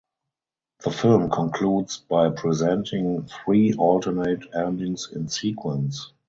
The film concludes by presenting three alternate endings in sequence.